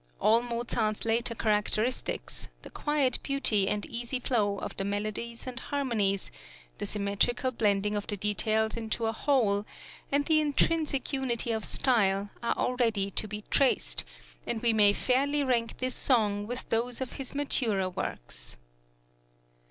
All Mozart's later characteristics, the quiet beauty and easy flow of the melodies and harmonies, the symmetrical blending of the details into a whole, and the intrinsic unity of style, are already to be traced, and we may fairly rank this song with those of his maturer works.